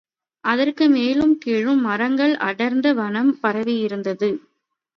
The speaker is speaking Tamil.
அதற்கு மேலும் கீழும் மரங்கள் அடர்ந்த வனம் பரவியிருந்தது.